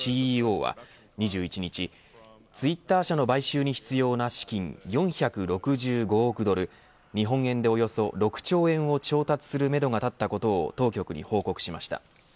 ＣＥＯは２１日ツイッター社の買収に必要な資金４６５億ドル日本円でおよそ６兆円を調達するめどが立ったことを当局に報告しました。